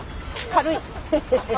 軽い。